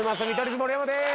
図・盛山です